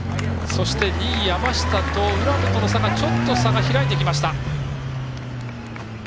そして２位、山下と浦野との差がちょっと開いてきました。